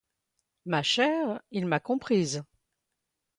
Ma chère, il m’a comprise.